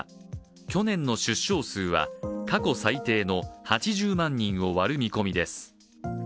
去年の出生数は過去最低の８０万人を割る見込みです。